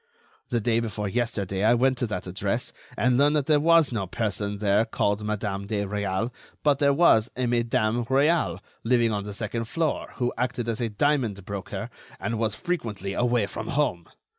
The day before yesterday I went to that address, and learned that there was no person there called Madame de Réal, but there was a Madame Réal, living on the second floor, who acted as a diamond broker and was frequently away from home.